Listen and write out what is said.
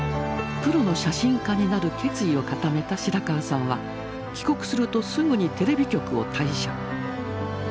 プロの写真家になる決意を固めた白川さんは帰国するとすぐにテレビ局を退社。